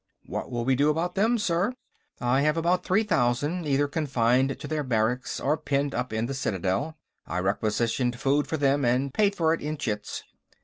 What will we do about them, sir? I have about three thousand, either confined to their barracks or penned up in the Citadel. I requisitioned food for them, paid for it in chits.